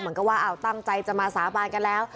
เหมือนตั้งใจจะมาสาบานกันแล้ว